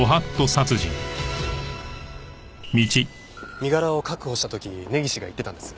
身柄を確保した時根岸が言ってたんです。